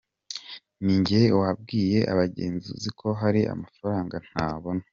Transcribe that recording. Ni njye wabwiye abagenzuzi ko hari amafaranga ntabona.